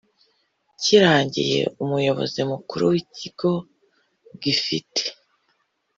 kirangiye umuyobozi mukuru w ikigo gifite